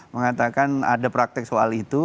mengatakan ada praktek soal itu